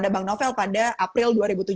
ada bang novel pada april dua ribu tujuh belas